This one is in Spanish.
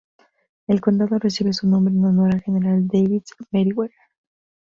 El condado recibe su nombre en honor al general David Meriwether.